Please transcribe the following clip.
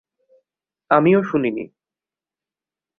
আমিও শুনি নি।